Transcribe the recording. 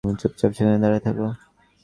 চুপচাপ সেখানে দাড়িয়ে থাকো।